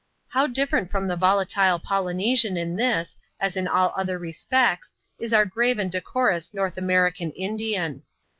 How different from the volatile Polynesian in this, as in all other respects, is our grave and decorous North American In^ dian.